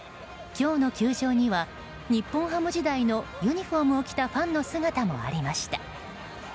今日の球場には日本ハム時代のユニホームを着たファンの姿もありました。